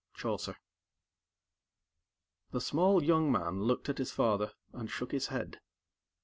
_" Chaucer The small young man looked at his father, and shook his head.